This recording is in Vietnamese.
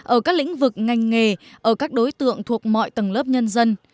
ở các lĩnh vực ngành nghề ở các đối tượng thuộc mọi tầng lớp nhân dân